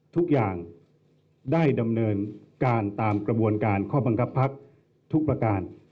ทุกอย่างได้ดำเนินการตามกระบวนการข้อบังคับพักทุกประการ